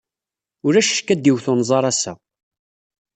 Ulac ccekk ad iwet unẓar ass-a.